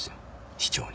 市長に。